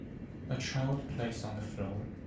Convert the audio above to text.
A child plays on the floor.